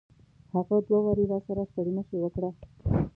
هغه دوه واري راسره ستړي مشي وکړه.